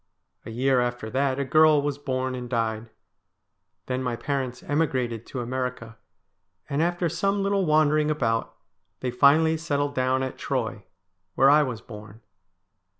A year after that a girl was born and died. Then my parents emigrated to America, and after some little wandering about they finally settled down at Troy, where I was born.